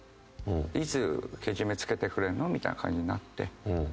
「いつけじめつけてくれるの？」みたいな感じになって。